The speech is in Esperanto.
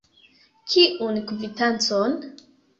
Kiun kvitancon?